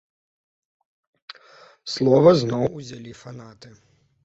Слова зноў узялі фанаты.